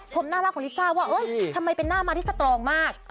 ผมน่ารักของลิซ่าว่าทำไมเป็นหน้ามาที่สตรองมาก